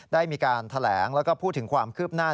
ได้มีการแถลงแล้วก็พูดถึงความคืบหน้า